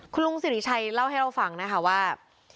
คุณลุงสิริชัยเล่าให้เราฟังนะคะว่า